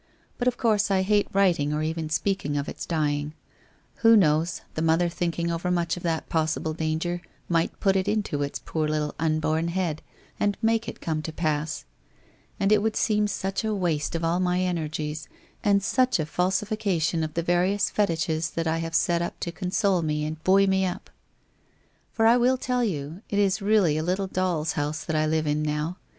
But of course I hate writing or even speaking of its dying. Who knows, the WHITE ROSE OF WEARY LEAF 413 mother thinking over much of that possible danger might put it into its poor little unborn head to make it come to pass. And it would seem such a waste of all my energies, and such a falsification of the various fetiches that I have set up to console me and buoy me up. For I will tell you, it is really a little doll's house that I live in now.